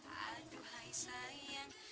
aduh hai sayang